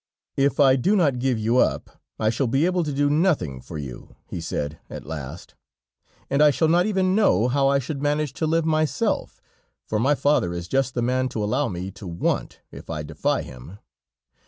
"If I do not give you up, I shall be able to do nothing for you," he said at last, "and I shall not even know how I should manage to live myself, for my father is just the man to allow me to want, if I defy him.